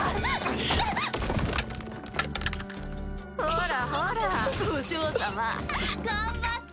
ほらほらお嬢様頑張って。